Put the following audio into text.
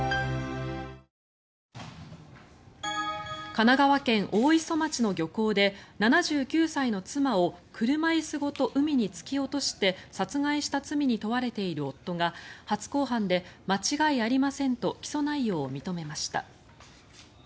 神奈川県大磯町の漁港で７９歳の妻を車椅子ごと海に突き落として殺害した罪に問われている夫が初公判で間違いありませんと起訴内容を認めました。